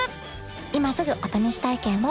今すぐお試し体験を